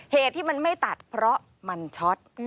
เหตุที่มันไม่ตัดเพราะมันช็อต